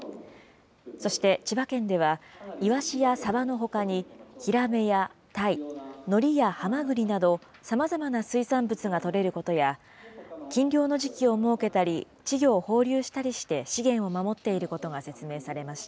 そして、千葉県ではイワシやサバのほかに、ヒラメやタイ、のりやハマグリなど、さまざまな水産物が取れることや、禁漁の時期を設けたり、稚魚を放流したりして資源を守っていることが説明されました。